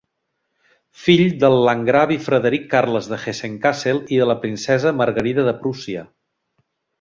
Fill del landgravi Frederic Carles de Hessen-Kassel i de la princesa Margarida de Prússia.